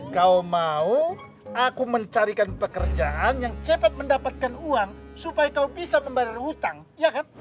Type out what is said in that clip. kau mau aku mencarikan pekerjaan yang cepat mendapatkan uang supaya kau bisa membayar hutang ya kan